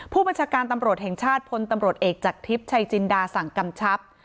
ผู้บัญชาการตำรวจแห่งชาติพลตำรวจเอกจากทิพย์ชัยจินดาสั่งกำชับ